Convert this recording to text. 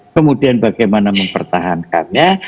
kemudian bagaimana mempertahankannya